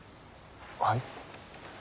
はい？